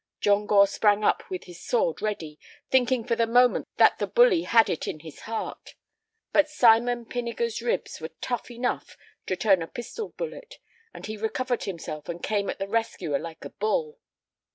John Gore sprang up with his sword ready, thinking for the moment that the bully had it in his heart. But Simon Pinniger's ribs were tough enough to turn a pistol bullet, and he recovered himself and came at the rescuer like a bull.